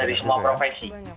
dari semua profesi